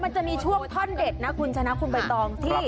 มันจะมีช่วงท่อนเด็ดนะคุณชนะคุณใบตองที่